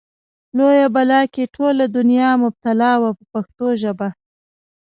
لویه بلا کې ټوله دنیا مبتلا وه په پښتو ژبه.